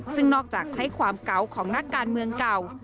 ซึ่งนอกจากใช้ความเก่าของนักการเมืองเก่า